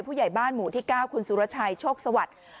ผู้ใหญ่บ้านหมู่ที่๙คุณสุรชัยโชคสวัสดิ์